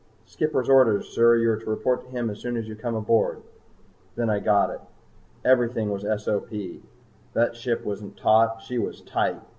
"Skipper's orders, sir. You are to report to him as soon as you come aboard." Then I got it. Everything was SOP. The ship wasn't taut, she was tight!